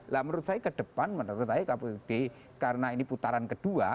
nah menurut saya ke depan menurut saya kpud karena ini putaran kedua